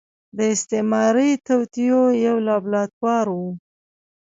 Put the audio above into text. د استعماري توطيو يو لابراتوار و.